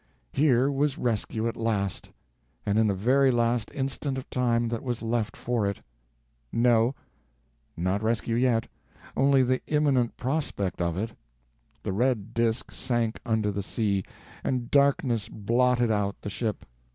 Here was rescue at last, and in the very last instant of time that was left for it. No, not rescue yet only the imminent prospect of it. The red disk sank under the sea, and darkness blotted out the ship.